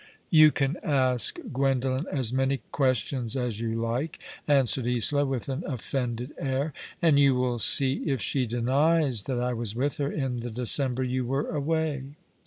"You can ask Gwendolen as many questions as you like," answered Isola, with an offended air, " and you will see if she denies that I was with her in the December you were away."